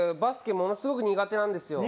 ものすごく苦手なんですよ。